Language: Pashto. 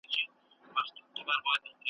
شنه به له خندا سي وايي بله ورځ ,